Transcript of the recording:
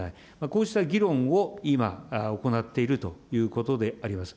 こうした議論を今、行っているということであります。